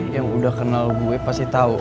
yang udah kenal gue pasti tahu